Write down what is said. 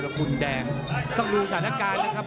โอ้โหโอ้โห